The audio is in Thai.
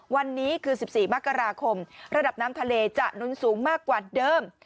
วันนี้คือ๑๔มกราคมระดับน้ำทะเลจะหนุนสูงมากกว่าเดิม